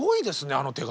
あの手紙。